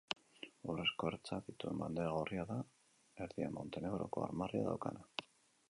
Urrezko ertzak dituen bandera gorria da, erdian Montenegroko armarria daukana.